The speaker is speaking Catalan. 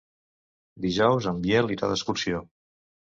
Dijous en Biel irà d'excursió.